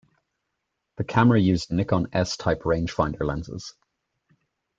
The camera used Nikon 'S' type rangefinder lenses.